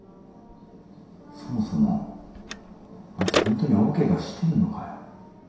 そもそもあいつホントに大ケガしてんのかよ？